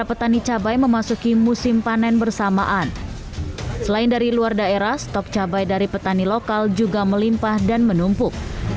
penurunan harga ini sudah terjadi sejak sepekan lalu